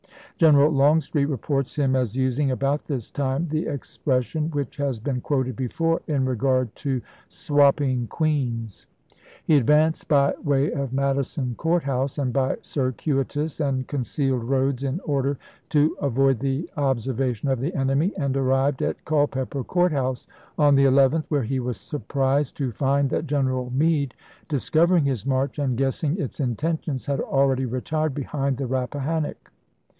General Longstreet reports him as using, about this time, the expression which has been quoted before in regard to "swapping queens." He advanced by way of Madison Court House, and by " circuitous and concealed roads in order to avoid the observa tion of the enemy," and arrived at Culpeper Court House on the 11th, where he was surprised to find that General Meade, discovering his march and guessing its intentions, had already retired behind the • Eappahannock.